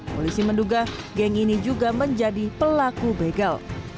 polisi menduga geng ini juga menjadi pelaku begal